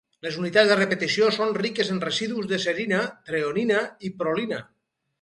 Les unitats de repetició són riques en residus de serina, treonina i prolina.